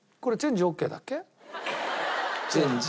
チェンジ